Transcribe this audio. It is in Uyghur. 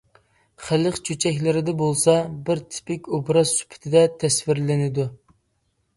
خەلق چۆچەكلىرىدە بولسا بىر تىپىك ئوبراز سۈپىتىدە تەسۋىرلىنىدۇ.